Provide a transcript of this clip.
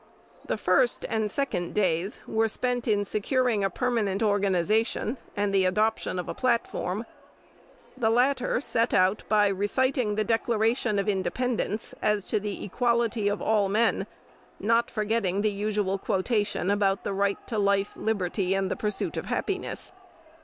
The first and second days were spent in securing a permanent organization, and the adoption of a platform. The latter set out by reciting the Declaration of Independence as to the equality of all men, not forgetting the usual quotation about the right to "life, liberty, and the pursuit of happiness."